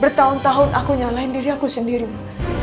bertahun tahun aku nyalahin diri aku sendiri ma